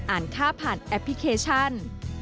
ค่าผ่านแอปพลิเคชัน